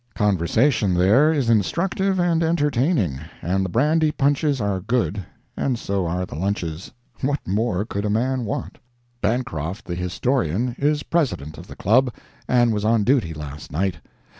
Conversation there is instructive and entertaining, and the brandy punches are good, and so are the lunches. What more could a man want? Bancroft, the historian, is President of the Club, and was on duty last night.